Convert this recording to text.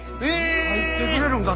入ってくれるんか？